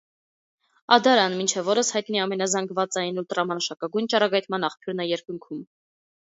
Ադարան մինչ օրս հայտնի ամենազանգվածային ուլտրամանուշակագույն ճառագայթման աղբյուրն է երկնքում։